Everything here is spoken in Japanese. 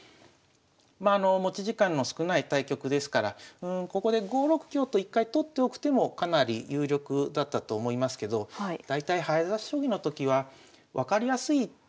まあ持ち時間の少ない対局ですからここで５六香と一回取っておく手もかなり有力だったと思いますけど大体早指し将棋のときは分かりやすいところから考えますね。